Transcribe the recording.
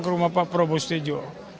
ke rumah pak prabowo sejo